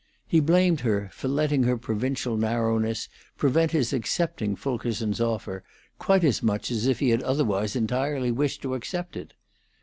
He blamed her for letting her provincial narrowness prevent his accepting Fulkerson's offer quite as much as if he had otherwise entirely wished to accept it.